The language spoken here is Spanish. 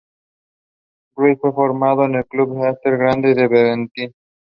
Ruiz fue formado en el club Esther Grande de Bentín.